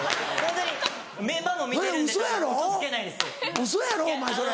ウソやろお前それ。